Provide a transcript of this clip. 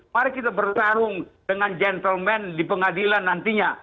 mari kita bertarung dengan gentleman di pengadilan nantinya